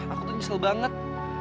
aku tuh nyesel banget